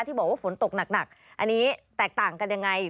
บอกว่าฝนตกหนักอันนี้แตกต่างกันยังไง